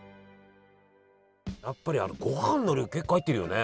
やっぱりごはんの量結構入ってるよね。